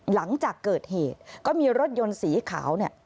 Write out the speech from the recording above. หลังจากเกิดเหตุก็มีรถยนต์สีขาวเนี่ย